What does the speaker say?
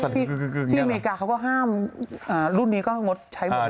ที่อเมริกาเขาก็ห้ามรุ่นนี้ก็งดใช้หมด